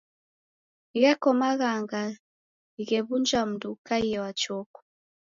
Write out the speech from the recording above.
Gheko maghanga ghew'unja mundu ukaie wa chokwa.